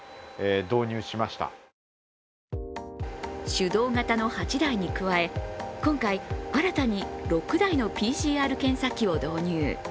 手動型の８台に加え、今回新たに６台のＰＣＲ検査機を導入。